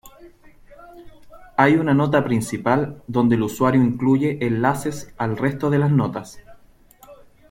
Hay una nota principal donde el usuario incluye enlaces al resto de las notas.